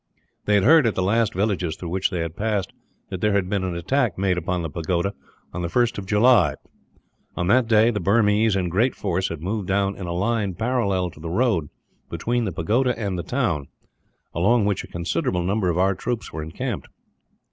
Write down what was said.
They had heard, at the last villages through which they had passed, that there had been an attack made upon the pagoda on the 1st of July. On that day the Burmese, in great force, had moved down in a line parallel to the road between the pagoda and the town, along which a considerable number of our troops were encamped.